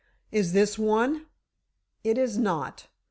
"Is this one?" "It is not!